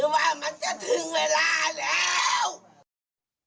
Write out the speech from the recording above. ว่ามันจะถึงเวลาแล้ว